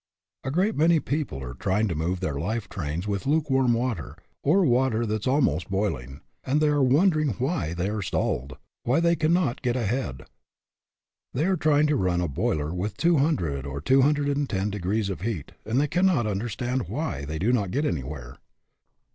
A great many people are trying to move their life trains with lukewarm water or water that is almost boiling and they are wondering why they are stalled, why they can not get ahead. They are trying to run a boiler with two hundred or two hundred and ten de grees of heat, and they cannot understand why they do not get anywhere.